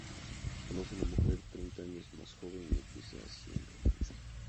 Conoce a una mujer treinta años más joven y empieza así un romance.